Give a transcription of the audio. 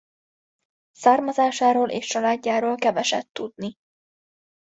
Származásáról és családjáról keveset tudni.